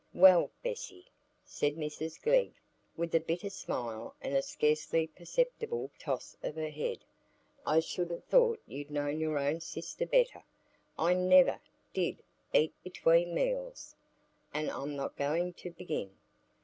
"Well, Bessy!" said Mrs Glegg, with a bitter smile and a scarcely perceptible toss of her head, "I should ha' thought you'd known your own sister better. I never did eat between meals, and I'm not going to begin.